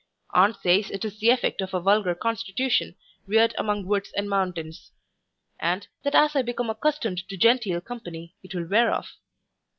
Aunt says it is the effect of a vulgar constitution, reared among woods and mountains; and, that as I become accustomed to genteel company, it will wear off.